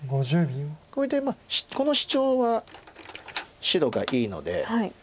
これでこのシチョウは白がいいので。